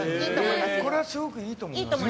これすごくいいと思います。